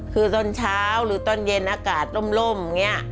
คือตอนเช้าหรือตอนเย็นอากาศล่มอย่างนี้